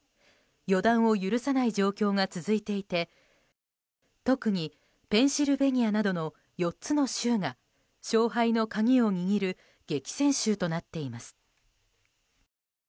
予断を許さない状況が続いていて特に、ペンシルベニアなどの４つの州が勝敗の鍵を握る激戦州となっています。